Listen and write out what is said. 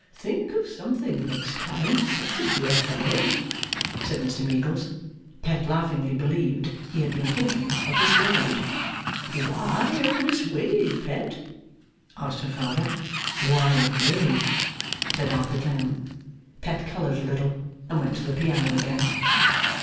'Think of something, next time; that's a dear fellow,' said Mr Meagles. Pet laughingly believed he had been thinking of Miss Wade. 'Why of Miss Wade, Pet?' asked her father. 'Why, indeed!' said Arthur Clennam. Pet coloured a little, and went to the piano again.